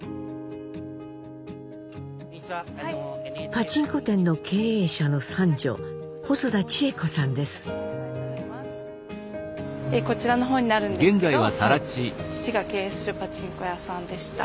パチンコ店の経営者の三女こちらのほうになるんですけど父が経営するパチンコ屋さんでした。